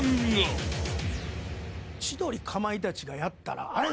千鳥かまいたちがやったら。